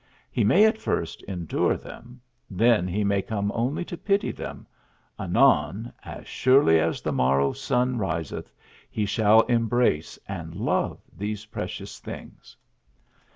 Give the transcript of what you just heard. He may at first endure them; then he may come only to pity them; anon, as surely as the morrow's sun riseth, he shall embrace and love those precious things.